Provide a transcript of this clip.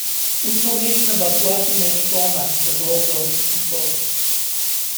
Information about what image formats the browsers support.